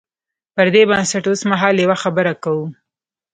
پر دې بنسټ اوسمهال یوه خبره کوو.